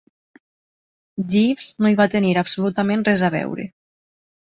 Jeeves no hi va tenir absolutament res a veure.